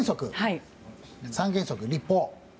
三原則、立法！